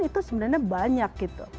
itu sebenarnya banyak